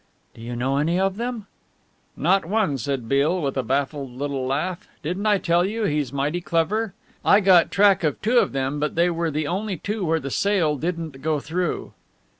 "Do you know any of them?" "Not one," said Beale, with a baffled little laugh, "didn't I tell you he's mighty clever? I got track of two of them but they were the only two where the sale didn't go through."